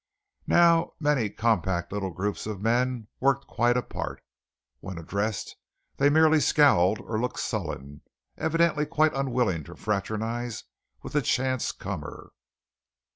Now many compact little groups of men worked quite apart. When addressed they merely scowled or looked sullen, evidently quite unwilling to fraternize with the chance comer.